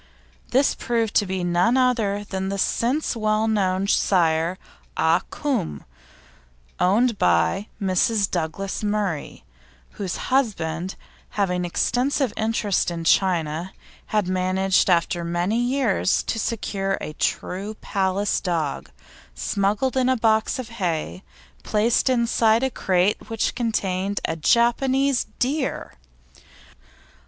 This proved to be none other than the since well known sire Ah Cum, owned by Mrs. Douglas Murray, whose husband, having extensive interests in China, had managed after many years to secure a true Palace dog, smuggled in a box of hay, placed inside a crate which contained Japanese deer!